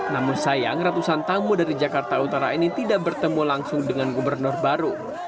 namun sayang ratusan tamu dari jakarta utara ini tidak bertemu langsung dengan gubernur baru